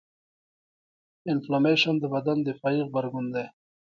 د انفلامیشن د بدن دفاعي غبرګون دی.